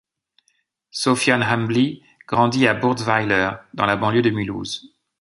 Sofiane Hambli grandit à Bourtzwiller, dans la banlieue de Mulhouse.